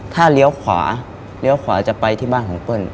ถ้าเลี้ยวขวาจะไปที่บ้านของเปิ้ล